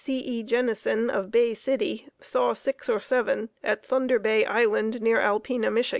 Jennison of Bay City saw six or seven at Thunder Bay Island near Alpena, Mich.